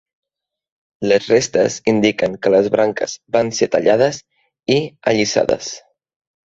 Les restes indiquen que les branques van ser tallades i allisades.